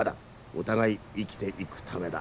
お互い生きていくためだ。